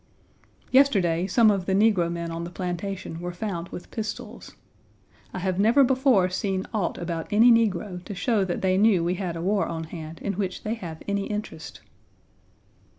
Yesterday some of the negro men on the plantation were found with pistols. I have never before seen aught about any negro to show that they knew we had a war on hand in which they have any interest.